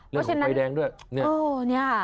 ว่าขณะใกล้แดงด้วยเนี่ย